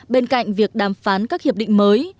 bên cạnh việc đàm phán các hiệp định mới